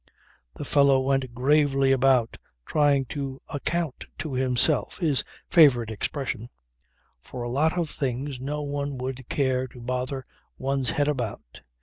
The fellow went gravely about trying to "account to himself" his favourite expression for a lot of things no one would care to bother one's head about.